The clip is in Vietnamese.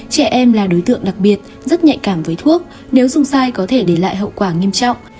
trẻ em là đối tượng đặc biệt rất nhạy cảm với thuốc nếu dùng sai có thể để lại hậu quả nghiêm trọng